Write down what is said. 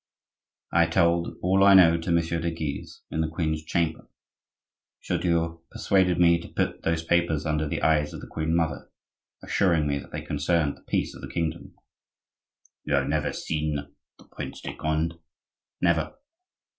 I told all I know to Messieurs de Guise in the queen's chamber. Chaudieu persuaded me to put those papers under the eyes of the queen mother; assuring me that they concerned the peace of the kingdom." "You have never seen the Prince de Conde?" "Never."